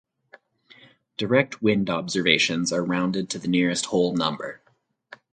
Direct wind observations are rounded to the nearest whole number.